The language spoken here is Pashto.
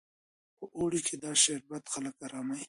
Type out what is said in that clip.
په اوړي کې دا شربت خلک اراموي.